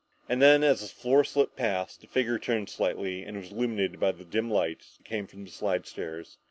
And then, as the floor slipped past, the figure turned slightly and was illuminated by the dim light that came from the slidestairs.